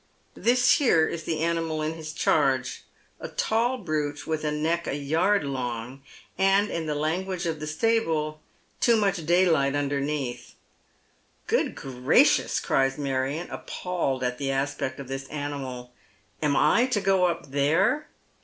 ''This here" is the animal in his charge, a tall brute, Math • 202 Dead Men's Shoes. neck a yard long, and, in the language of the stable, too much daylight underneath. " Good gracious !" cries Marion, appalled at the aspect of this animal, " am I to go up there